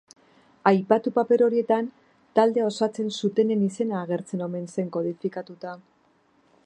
Aipatu paper horietan taldea osatzen zutenen izena agertzen omen zen kodifikatuta.